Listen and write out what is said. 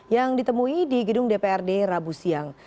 yang ditemui di gedung dprd rabu siang